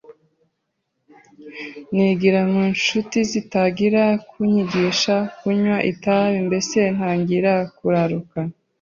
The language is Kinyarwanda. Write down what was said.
nigira mu nshuti zitangira kunyigisha kunywa itabi mbese ntangira kuraruka,